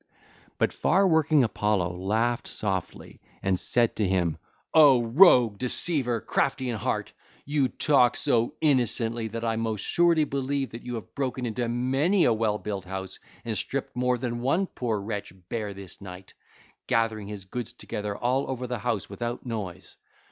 (ll. 281 292) But far working Apollo laughed softly and said to him: 'O rogue, deceiver, crafty in heart, you talk so innocently that I most surely believe that you have broken into many a well built house and stripped more than one poor wretch bare this night 2522, gathering his goods together all over the house without noise.